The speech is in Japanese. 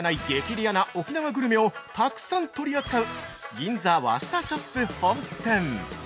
レアな沖縄グルメをたくさん取り扱う銀座わしたショップ本店。